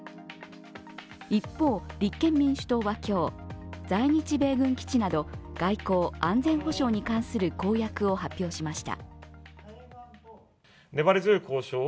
一方、立憲民主党は今日、在日米軍基地など外交・安全保障に関する公約を発表しました。